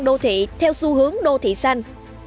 đô thị theo xu hướng đô thị xanh